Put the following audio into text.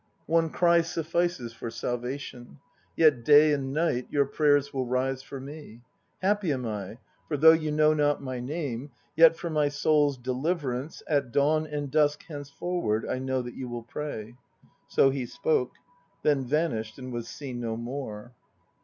One cry suffices for salvation, Yet day and night Your prayers will rise for me. Happy am I, for though you know not my name, Yet for my soul's deliverance At dawn and dusk henceforward I know that you will pray.'* So he spoke. Then vanished and was seen no more.